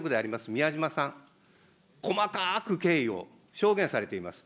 みやじまさん、細かく経緯を証言されています。